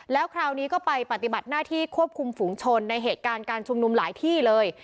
แล้วคราวนี้ก็ไปปฏิบัติหน้าที่ควบคุมฝูงชนในเหตุการณ์การชุมนุมหลายที่เลย